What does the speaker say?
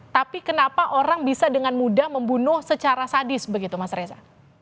tapi kenapa orang bisa dengan mudah membunuh secara sadis begitu mas reza